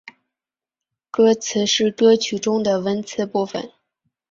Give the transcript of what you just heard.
歌词是歌曲中的文词部分。